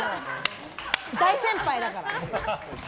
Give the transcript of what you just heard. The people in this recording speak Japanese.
大先輩だから。